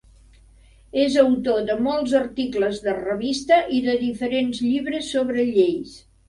És autor de molts articles de revista i de diferents llibres sobre lleis.